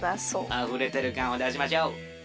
あふれてるかんをだしましょう。